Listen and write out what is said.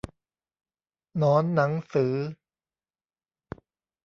หนอนหนังสือ